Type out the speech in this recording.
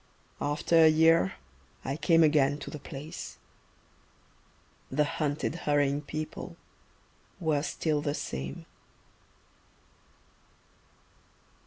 After a year I came again to the place The hunted hurrying people were still the same....